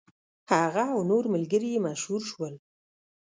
هغه او نور ملګري یې مشهور شول.